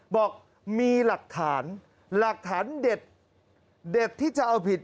บอกมีหลักฐานเหล็กที่จะเอาผิด